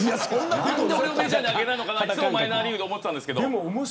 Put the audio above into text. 何で俺をメジャーに上げないのかっていつもマイナーリーグで思ってたんですけど。